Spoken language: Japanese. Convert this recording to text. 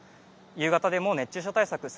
夕方でも熱中症対策